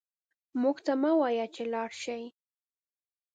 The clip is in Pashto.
موږ ته مه وايه چې لاړ شئ